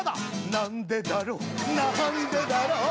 「なんでだろうなんでだろう」